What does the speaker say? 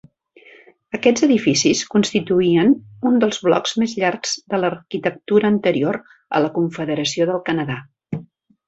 Aquests edificis constituïen un dels blocs més llargs de l'arquitectura anterior a la Confederació del Canadà.